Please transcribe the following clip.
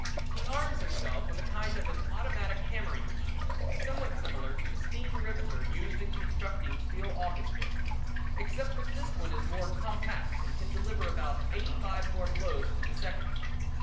He arms himself with a kind of an automatic hammering machine, somewhat similar to the steam riveter used in constructing steel office buildings, except that this one is more compact and can deliver about eighty five more blows to the second.